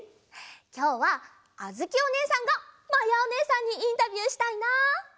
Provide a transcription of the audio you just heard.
きょうはあづきおねえさんがまやおねえさんにインタビューしたいな！